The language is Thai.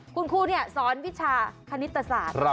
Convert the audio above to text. คุณครูสอนวิชาคณิตศาสตร์